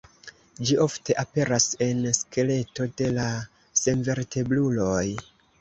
Ĝi ofte aperas en skeleto de la senvertebruloj.